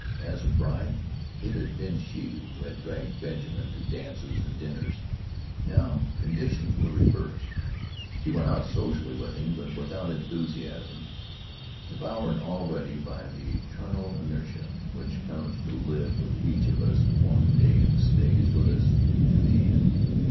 As a bride it had been she who had "dragged" Benjamin to dances and dinners now conditions were reversed. She went out socially with him, but without enthusiasm, devoured already by that eternal inertia which comes to live with each of us one day and stays with us to the end.